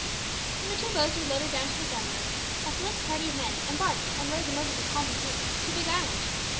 When the two boats were loaded down to the gunwales, a select party of men embarked and rowed them over the calm lagoon to Big Island.